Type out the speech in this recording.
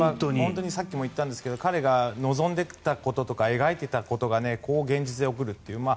さっきも言ったんですが彼が望んでいたこととか描いていたことが現実で起きるという。